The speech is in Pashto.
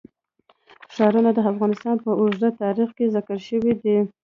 ښارونه د افغانستان په اوږده تاریخ کې ذکر شوی دی.